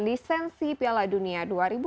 lisensi piala dunia dua ribu delapan belas